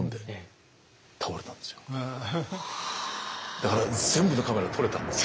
だから全部のカメラで撮れたんです。